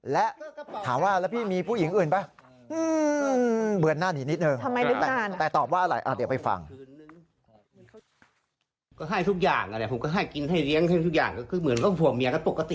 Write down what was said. และถามว่าแล้วพี่มีผู้หญิงอื่นป่ะ